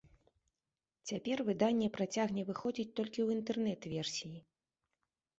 Цяпер выданне працягне выходзіць толькі ў інтэрнэт-версіі.